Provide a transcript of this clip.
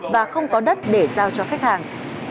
và không có đất để giao cho khách hàng